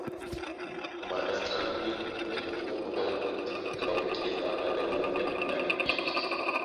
wa Marekani waliotumwa Poland katika wiki za karibuni na